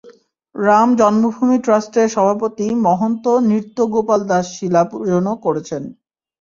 রাম জন্মভূমি ট্রাস্টের সভাপতি মহন্ত নৃত্য গোপাল দাস শিলা পূজনও করেছেন।